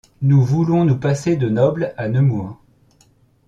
Nous voulons nous passer de nobles à Nemours.